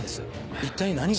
一体何が。